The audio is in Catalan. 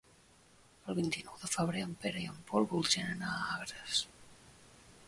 El vint-i-nou de febrer en Pere i en Pol voldrien anar a Agres.